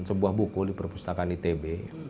sebuah buku di perpustakaan itb